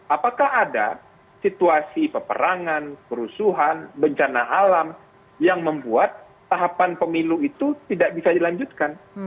apakah ada situasi peperangan kerusuhan bencana alam yang membuat tahapan pemilu itu tidak bisa dilanjutkan